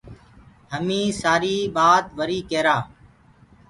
همي سآري بآت وري ڪيرآ۔